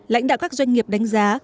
lãnh đạo các doanh nghiệp đánh giá